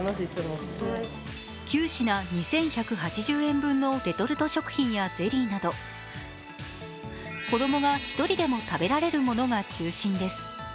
９品２１８０円分のレトルト食品やゼリーなど、子供が１人でも食べられるものが中心です。